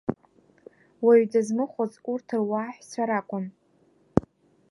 Уаҩ дызмыхәоз урҭ руааҳәцәа ракәын.